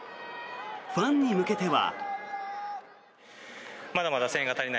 ファンに向けては。